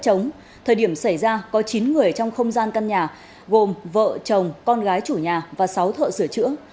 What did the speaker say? trong thời điểm xảy ra có chín người trong không gian căn nhà gồm vợ chồng con gái chủ nhà và sáu thợ sửa chữa